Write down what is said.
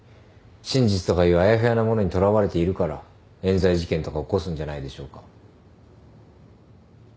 真実とかいうあやふやなものにとらわれているから冤罪事件とか起こすんじゃないでしょうか。